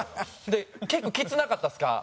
結構きつくなかったですか？